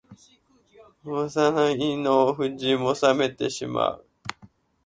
お座も胃の腑も冷めてしまう